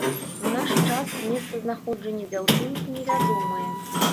У наш час месцазнаходжанне дзяўчынкі невядомае.